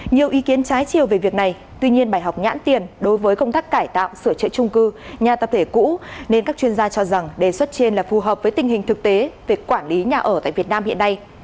nhiều ý kiến trái chiều về việc này tuy nhiên bài học nhãn tiền đối với công tác cải tạo sửa chữa trung cư nhà tập thể cũ nên các chuyên gia cho rằng đề xuất trên là phù hợp với tình hình thực tế về quản lý nhà ở tại việt nam hiện nay